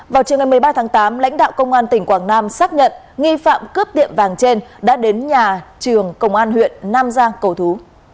vào chiều ngày một mươi ba tháng tám lãnh đạo công an tỉnh quảng nam xác nhận nghi phạm cướp tiệm vàng trên đã đến nhà trường công an huyện nam giang cầu thú